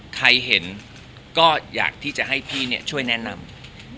ใครเห็นก็อยากที่จะให้พี่ช่วยแนะนำ